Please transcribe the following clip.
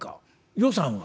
「予算は？」。